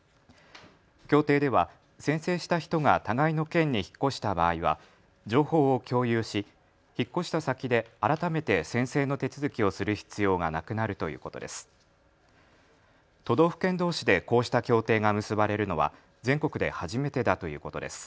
協定では宣誓した人が互いの県に引っ越した場合は情報を共有し引っ越した先で改めて宣誓の手続きをする必要がなくなるということです。